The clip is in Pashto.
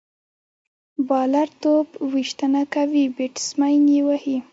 بالر توپ ویشتنه کوي، بیټسمېن يې وهي.